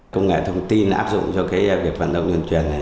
công nghệ thông tin áp dụng cho việc vận động tuyên truyền này